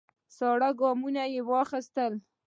سړی ګامونه واخیستل.